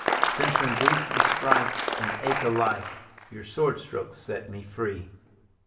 Since from grief and strife and ache o' life Your sword stroke set me free."